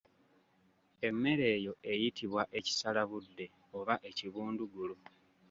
Emmere eyo eyitibwa ekisalabudde oba ekibundugulu.